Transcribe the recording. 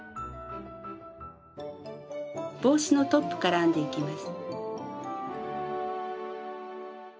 帽子のトップから編んでいきます。